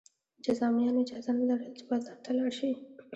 جذامیانو اجازه نه لرله چې بازار ته لاړ شي.